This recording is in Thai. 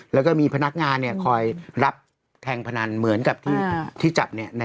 แล้วก็มีพนักงานคอยรับแทงพนันเหมือนกับที่จับ